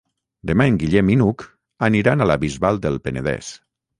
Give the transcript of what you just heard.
Demà en Guillem i n'Hug aniran a la Bisbal del Penedès.